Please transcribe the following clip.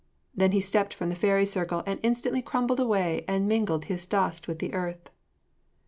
Then he stepped from the fairy circle and instantly crumbled away and mingled his dust with the earth.